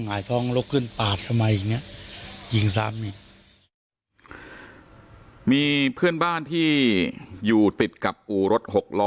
หายท้องลุกขึ้นปาดทำไมอย่างเงี้ยยิงซ้ำนี่มีเพื่อนบ้านที่อยู่ติดกับอู่รถหกล้อ